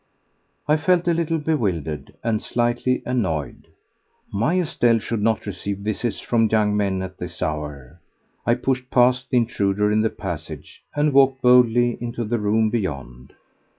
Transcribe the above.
I felt a little bewildered—and slightly annoyed. My Estelle should not receive visits from young men at this hour. I pushed past the intruder in the passage and walked boldly into the room beyond.